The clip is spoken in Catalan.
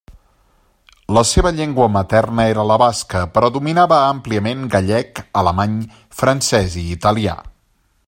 La seva llengua materna era la basca però dominava àmpliament gallec, alemany, francès i italià.